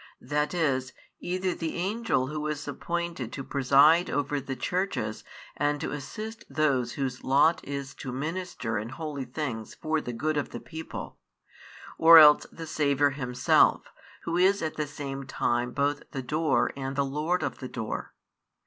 That is, either the Angel who is appointed to preside over the churches and to assist those whose lot is to minister in holy things for the good of the people, or else the Saviour Himself, Who is at the same time both the Door and the Lord of the Door.